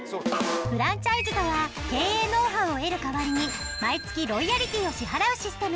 フランチャイズとは経営ノウハウを得る代わりに毎月ロイヤリティーを支払うシステム